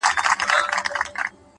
د احساساتو توازن د عقل ځواک زیاتوي؛